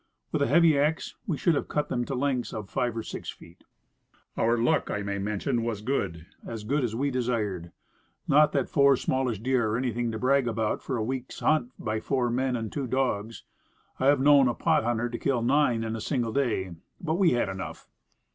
With a heavy axe, we should have cut them to lengths of five or six feet. Our luck, I may mention, was good as good as we desired. Not that four smallish deer are anything to brag of for a week's hunt by four men and two dogs. I have known a pot hunter to kill nine in a single day. But we had enough.